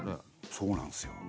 そうなんですよ。